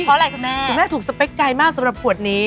คุณแม่ถูกสเปคใจมากสำหรับขวดนี้